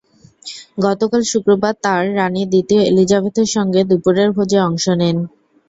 গতকাল শুক্রবার তাঁর রানি দ্বিতীয় এলিজাবেথের সঙ্গে দুপুরের ভোজে অংশ নেন।